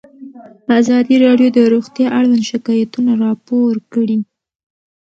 ازادي راډیو د روغتیا اړوند شکایتونه راپور کړي.